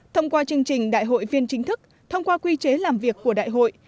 thông qua chương trình đại hội viên chính thức thông qua quy chế làm việc của đại hội